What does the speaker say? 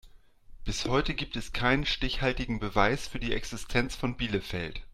Bis heute gibt es keinen stichhaltigen Beweis für die Existenz von Bielefeld.